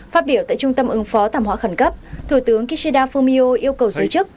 phát biểu tại trung tâm ứng phó thảm họa khẩn cấp thủ tướng kishida fumio yêu cầu giới chức